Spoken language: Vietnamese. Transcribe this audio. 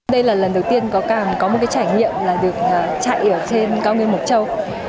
đây là lần đầu tiên có một trải nghiệm là được chạy ở trên cao nguyên mộc châu